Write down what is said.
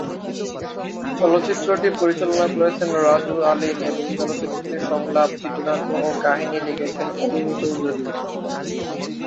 চলচ্চিত্রটি পরিচালনা করেছেন রাজু আলীম এবং চলচ্চিত্রটির সংলাপ, চিত্রনাট্য ও কাহিনি লিখেছেন অরুণ চৌধুরী।